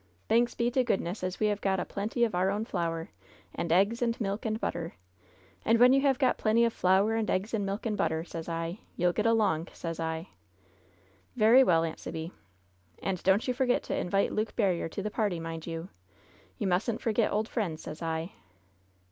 Thanks be to goodness as we have got a plenty of our own flour, and eggs, and milk, and butter! And when you have got plenty of flour, and eggs, and milk, and butter, sez I, you'll get along, sez I !" "Very well. Aunt Sibby." "And don't you forget to invite Luke Barriere to the party, mind you 1 You mustn't forget old friends, sez I!"